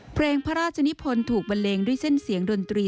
เพลงพระราชนิพลถูกบันเลงด้วยเส้นเสียงดนตรี